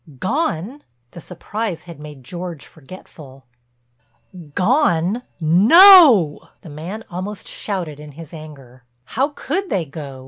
"Gone?" The surprise had made George forgetful. "Gone—no!" The man almost shouted in his anger. "How could they go?